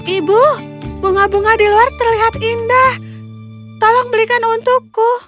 ibu bunga bunga di luar terlihat indah tolong belikan untukku